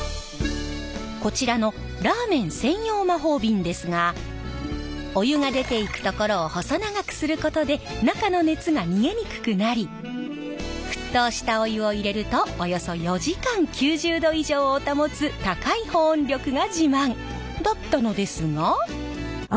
こちらのラーメン専用魔法瓶ですがお湯が出ていくところを細長くすることで中の熱が逃げにくくなり沸騰したお湯を入れるとおよそ４時間９０度以上を保つ高い保温力が自慢！だったのですが。